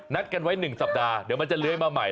กันไว้๑สัปดาห์เดี๋ยวมันจะเลื้อยมาใหม่